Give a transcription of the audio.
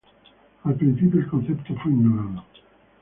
Al principio, el concepto fue ignorado.